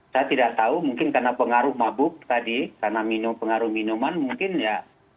saya tidak tahu mungkin karena pengaruh mabuk tadi karena pengaruh minuman mungkin ya